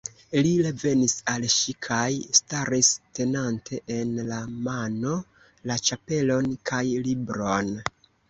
Li revenis al ŝi kaj staris, tenante en la mano la ĉapelon kaj libron.